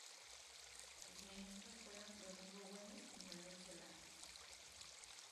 Sus ministros fueron Domingo Güemes y Manuel Solá.